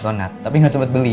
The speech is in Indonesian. donat tapi gak sempet beli